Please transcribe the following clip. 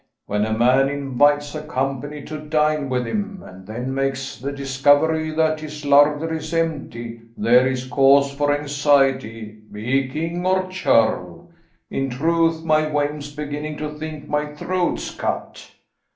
When a man invites a company to dine with him, and then makes the discovery that his larder is empty, there is cause for anxiety, be he king or churl. In truth my wame's beginning to think my throat's cut."